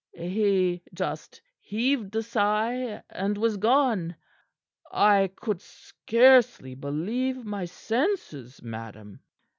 He just heaved a sigh, and was gone. I could scarcely believe my senses, madam."